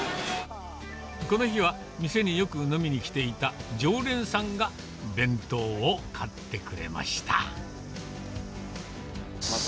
この日は、店によく飲みに来ていた常連さんが弁当を買ってくれました。